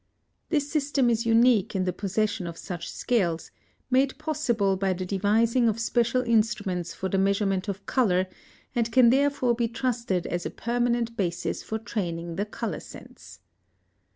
This system is unique in the possession of such scales, made possible by the devising of special instruments for the measurement of color, and can therefore be trusted as a permanent basis for training the color sense.